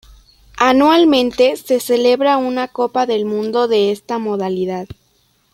Anualmente se celebra una copa del mundo de esta modalidad.